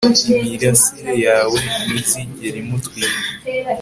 Imirasire yawe ntizigera imutwika